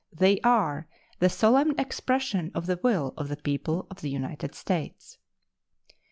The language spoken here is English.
They are the solemn expression of the will of the people of the United States.